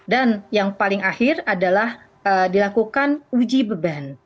yang paling akhir adalah dilakukan uji beban